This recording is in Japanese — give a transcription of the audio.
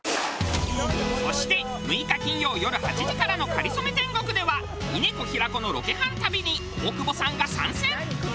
そして６日金曜よる８時からの『かりそめ天国』では峰子平子のロケハン旅に大久保さんが参戦！